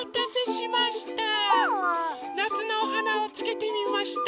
なつのおはなをつけてみました。